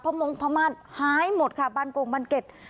มงพม่านหายหมดค่ะบ้านโกงบันเก็ต